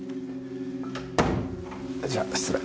じゃ失礼。